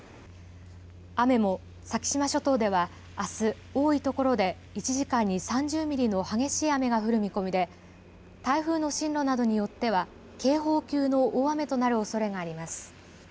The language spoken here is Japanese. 雨も、先島諸島ではあす多いところで１時間に３０ミリの激しい雨が降る見込みで台風の進路などによっては警報級の大雨となるおそれがあります。